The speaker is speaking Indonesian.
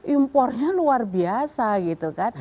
impornya luar biasa gitu kan